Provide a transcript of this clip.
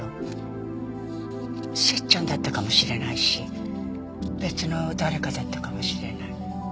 セッちゃんだったかもしれないし別の誰かだったかもしれない。